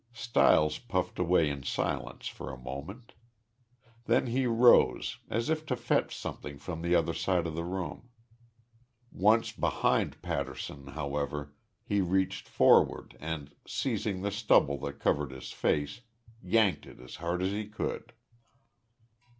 Stiles puffed away in silence for a moment. Then he rose, as if to fetch something from the other side of the room. Once behind Patterson, however, he reached forward and, seizing the stubble that covered his face, yanked it as hard as he could.